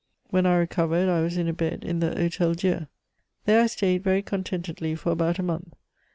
When I recovered I was in a bed in the Hotel Dieu. There I stayed very contentedly for about a month.